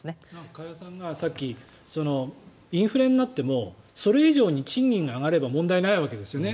加谷さんがさっきインフレになってもそれ以上に賃金が上がれば問題ないわけですよね。